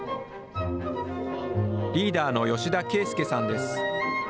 リーダーの吉田啓助さんです。